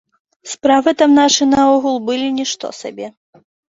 Справы там нашы наогул былі нішто сабе.